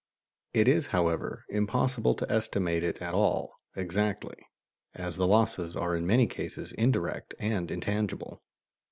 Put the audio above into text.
It is, however, impossible to estimate it at all exactly, as the losses are in many cases indirect and intangible.